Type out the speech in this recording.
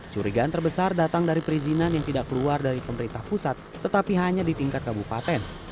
curigaan terbesar datang dari perizinan yang tidak keluar dari pemerintah pusat tetapi hanya di tingkat kabupaten